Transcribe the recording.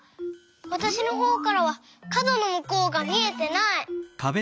わたしのほうからはかどのむこうがみえてない！